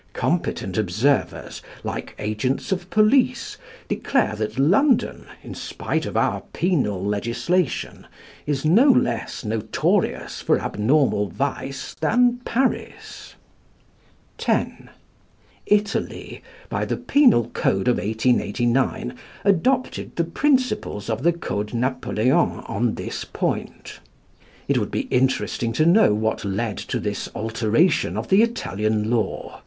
Competent observers, like agents of police, declare that London, in spite of our penal legislation, is no less notorious for abnormal vice than Paris. X. Italy, by the Penal Code of 1889, adopted the principles of the Code Napoleon on this point. It would be interesting to know what led to this alteration of the Italian law.